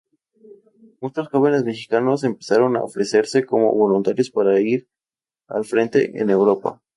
Muchos jóvenes mexicanos empezaron a ofrecerse como voluntarios para ir al frente en Europa.